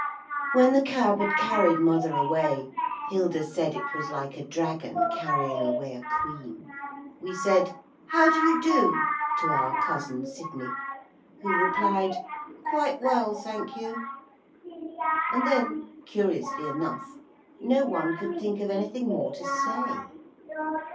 When the cab had carried mother away Hilda said it was like a dragon carrying away a queen we said, 'How do you do' to our Cousin Sidney, who replied, 'Quite well, thank you.' And then, curiously enough, no one could think of anything more to say.